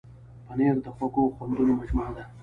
پنېر د خوږو خوندونو مجموعه ده.